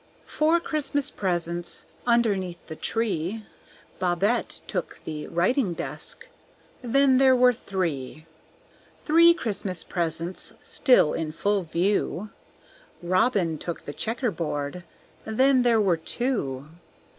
Four Christmas presents underneath the tree; Bobbet took the writing desk, then there were three. Three Christmas presents still in full view; Robin took the checker board, then there were two.